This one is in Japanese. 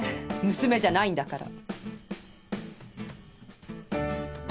娘じゃないんだから。